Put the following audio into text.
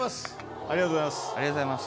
ありがとうございます。